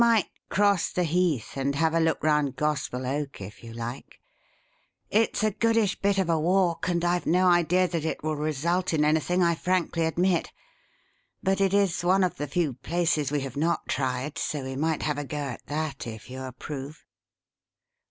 "We might cross the Heath and have a look round Gospel Oak, if you like. It's a goodish bit of a walk and I've no idea that it will result in anything, I frankly admit, but it is one of the few places we have not tried, so we might have a go at that if you approve."